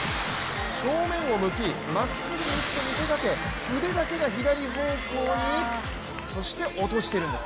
正面を向き、まっすぐに打つと見せかけ腕だけで左方向にそして落としているんです。